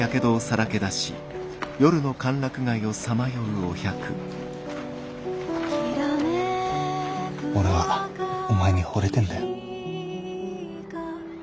俺はお前にほれてんだよ。